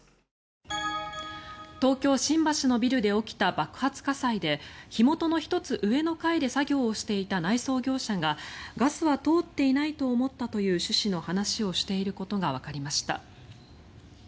東京・新橋のビルで起きた爆発火災で火元の１つ上の階で作業をしていた内装業者がガスは通っていないと思ったという趣旨の話をしていることがわかりました。